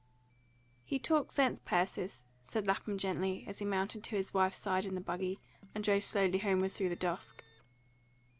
"HE talked sense, Persis," said Lapham gently, as he mounted to his wife's side in the buggy and drove slowly homeward through the dusk.